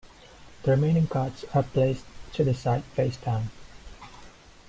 The remaining cards are placed to the side face down.